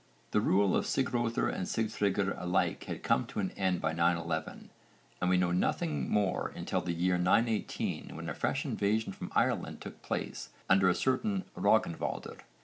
The rule of Sigröðr and Sigtryggr alike had come to an end by 911 and we know nothing more until the year 918 when a fresh invasion from Ireland took place under a certain Rögnvaldr.